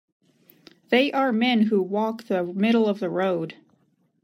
They are men who walk the middle of the road.